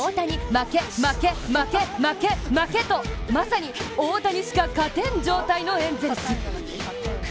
負け・負け・負け・負け・負けとまさに大谷しか勝てん状態のエンゼルス。